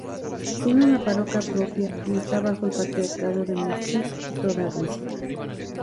Tiene una parroquia propia y está bajo el Patriarcado de Moscú y toda Rusia.